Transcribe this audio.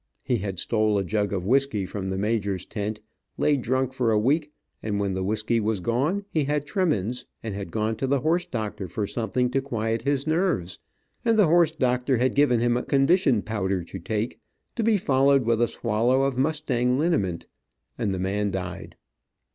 He had stole a jug of whisky from the major's tent, laid drunk a week, and when the whisky was gone he had tremens, and had gone to the horse doctor for something to quiet his nerves, and the horse doctor had given him a condition powder to take, to be followed with a swallow of mustang liniment, and the man died.